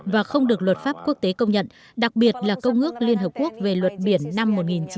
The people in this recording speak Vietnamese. và không được luật pháp quốc tế công nhận đặc biệt là công ước liên hợp quốc về luật biển năm một nghìn chín trăm tám mươi hai